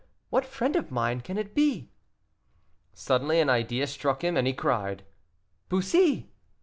What friend of mine can it be?" Suddenly an idea struck him, and he cried, "Bussy!"